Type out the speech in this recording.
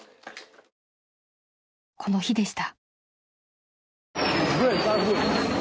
［この日でした］